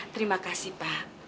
terima kasih pak